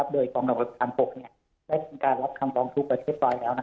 โดยกองทับการปราบปราบปกได้ถึงการรับคำรองทุกประเทศไปแล้ว